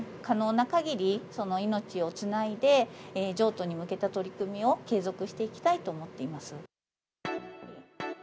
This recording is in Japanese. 可能なかぎり命をつないで、譲渡に向けた取り組みを継続していきたいと思っています。